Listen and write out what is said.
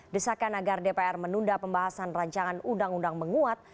desakan agar dpr menunda pembahasan rancangan undang undang menguat